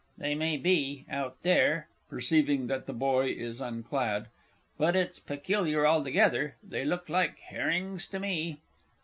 They may be out there (perceiving that the boy is unclad) but it's peculiar altogether they look like herrings to me.